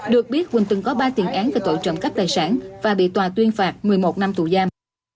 được biết quỳnh từng có ba tiền án về tội trộm cắp tài sản và bị tòa tuyên phạt một mươi một năm tù giam